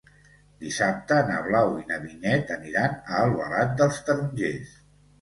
Dissabte na Blau i na Vinyet aniran a Albalat dels Tarongers.